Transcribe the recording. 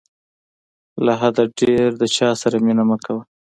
له حده ډېر د چاسره مینه مه کوه.